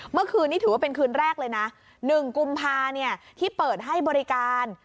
เมื่อคืนนี้ถือว่าเป็นคืนแรกเลยนะ๑กุมภาที่เปิดให้บริการ